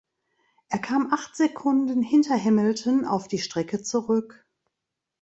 Er kam acht Sekunden hinter Hamilton auf die Strecke zurück.